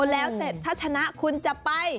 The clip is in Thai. แล้วเสร็จถ้าชนะคุณจะไป